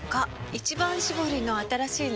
「一番搾り」の新しいの？